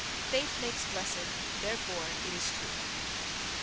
"Faith makes blessed: therefore it is true."